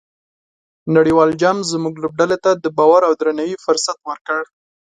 نړیوال جام زموږ لوبډلې ته د باور او درناوي فرصت ورکړ.